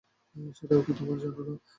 সেটাও কি তোমরা জানো না?